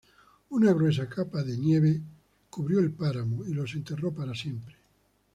Una gruesa capa de nieve cubrió el páramo y los enterró para siempre.